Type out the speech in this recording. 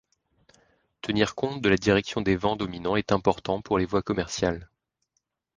Tenir compte de la direction des vents dominants est important pour les voies commerciales.